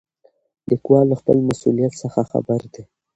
لیکوال له خپل مسؤلیت څخه خبر دی.